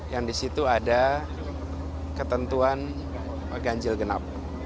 yang di situ ada ketentuan ganjil genap